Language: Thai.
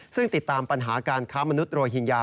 ซึ่งติดตามปัญหาการค้ามนุษยโรฮิงญา